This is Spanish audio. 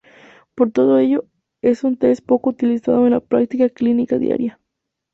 Por todo ello, es un test poco utilizado en la práctica clínica diaria.